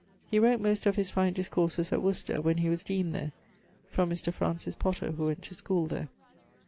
He wrote most of his fine discourses at Worcester, when he was deane there. From Mr. Francis Potter, who went to schole there.